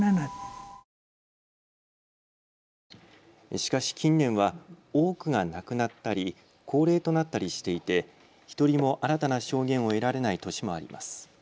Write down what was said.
しかし近年は多くが亡くなったり高齢となったりしていて１人も新たな証言を得られない年もあります。